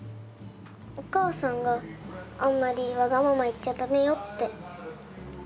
お母さんがあんまりわがまま言っちゃ駄目よって。